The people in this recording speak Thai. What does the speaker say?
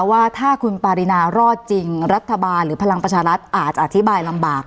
ว่าถ้าคุณปารินารอดจริงรัฐบาลหรือพลังประชารัฐอาจจะอธิบายลำบาก